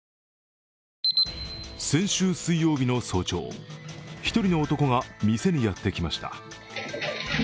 先週水曜日の早朝１人の男が店にやってきました。